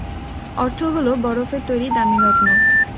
অর্থ হল বরফের তৈরি দামী রত্ন।